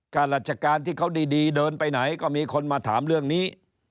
ข้าราชการที่เขาดีเดินไปไหนก็มีคนมาถามเรื่องนี้